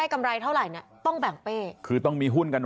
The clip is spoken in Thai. ก็แบ่ง